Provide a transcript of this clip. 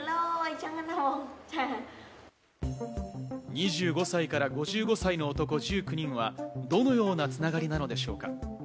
２５歳から５５歳の男１９人はどのようなつながりなのでしょうか？